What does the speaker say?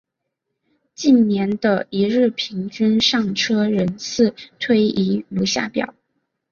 近年的一日平均上车人次推移如下表。